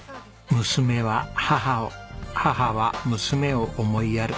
娘は母を母は娘を思いやる。